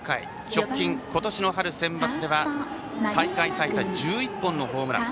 直近、今年の春センバツでは大会最多、１１本のホームラン。